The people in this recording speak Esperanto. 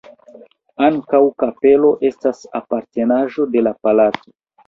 Ankaŭ kapelo estas apartenaĵo de la palaco.